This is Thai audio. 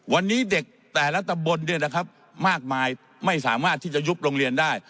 วันนี้เด็กแต่ละตำบลมากมายไม่สามารถที่จะยุบโรงเรียนได้